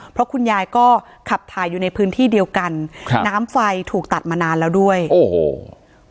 เพราะคุณยายก็ขับถ่ายอยู่ในพื้นที่เดียวกันครับน้ำไฟถูกตัดมานานแล้วด้วยโอ้โห